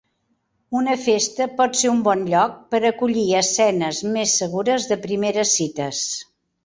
Una festa pot ser un bon lloc per acollir escenes més segures de primeres cites.